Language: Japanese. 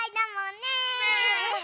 ねえ！